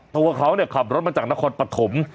ตัวเขาขับรถมาจากนครปฐม